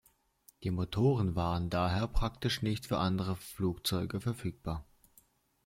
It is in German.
Die Motoren waren daher praktisch nicht für andere Flugzeuge verfügbar.